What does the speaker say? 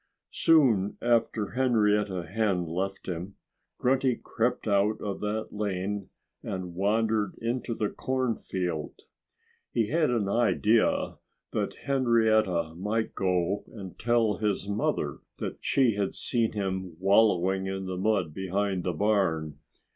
Soon after Henrietta Hen left him, Grunty crept out of the lane and wandered into the cornfield. He had an idea that Henrietta might go and tell his mother that she had seen him wallowing in the mud behind the barn.